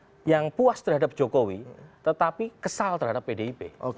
ada yang puas terhadap jokowi tetapi kesal terhadap pdip